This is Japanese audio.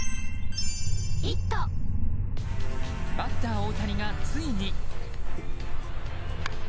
バッター、大谷がついに。